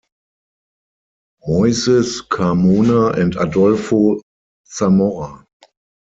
Moises Carmona and Adolfo Zamora.